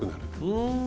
うん。